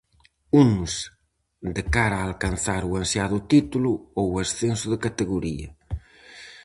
Uns, de cara a alcanzar o ansiado título ou o ascenso de categoría.